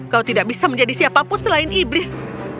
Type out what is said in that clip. kau tidak bisa menjadi siapa pun selain iblis